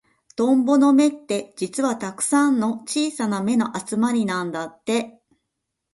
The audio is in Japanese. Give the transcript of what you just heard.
トンボの目って、実はたくさんの小さな目の集まりなんだって。